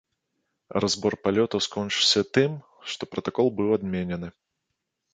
І разбор палётаў скончыўся тым, што пратакол быў адменены.